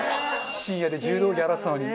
深夜で柔道着洗ってたのに。